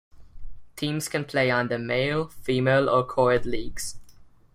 Teams can play under male, female, or coed leagues.